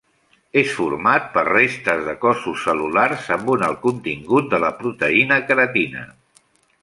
És format per restes de cossos cel·lulars amb un alt contingut de la proteïna queratina.